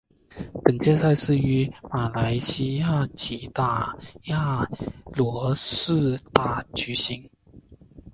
本届赛事于在马来西亚吉打亚罗士打举行。